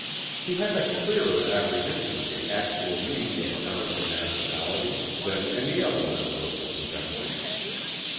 He had a clearer apprehension of the actual needs of American nationality than any other member of the Convention.